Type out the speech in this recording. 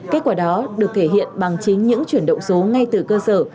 kết quả đó được thể hiện bằng chính những chuyển động số ngay từ cơ sở